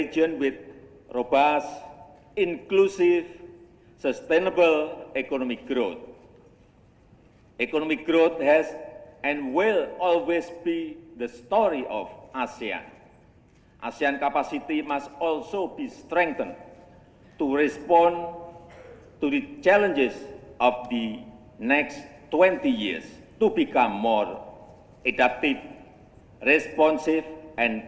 joko widodo menegakkan asean harus menjadi kawasan yang stabil damai dan menjadi jangkar stabilitas dunia